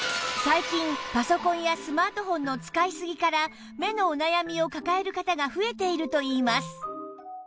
最近パソコンやスマートフォンの使いすぎから目のお悩みを抱える方が増えているといいます